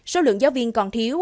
số lượng giáo viên còn thiếu